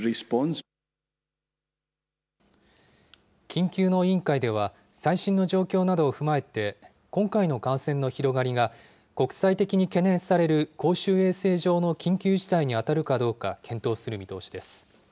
緊急の委員会では、最新の状況などを踏まえて、今回の感染の広がりが、国際的に懸念される公衆衛生上の緊急事態に当たるかどうか、検討する見通しです。